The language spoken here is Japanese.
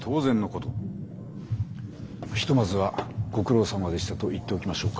ひとまずはご苦労さまでしたと言っておきましょうか。